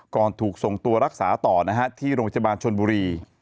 ถูกส่งตัวรักษาต่อนะฮะที่โรงพยาบาลชนบุรี